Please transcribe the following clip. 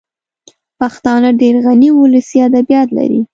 پښتانه ډېر غني ولسي ادبیات لري